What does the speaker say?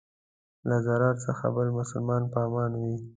له ضرر څخه بل مسلمان په امان وي.